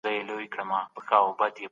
لوی توليدي سازمانونه جوړ سول.